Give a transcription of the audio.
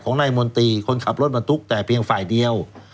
นายมนตรีคนขับรถบรรทุกแต่เพียงฝ่ายเดียว